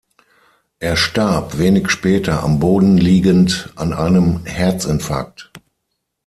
Er starb wenig später am Boden liegend an einem Herzinfarkt.